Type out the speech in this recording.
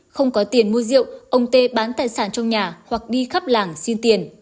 không có tiền mua rượu ông tê bán tài sản trong nhà hoặc đi khắp làng xin tiền